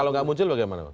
kalau tidak muncul bagaimana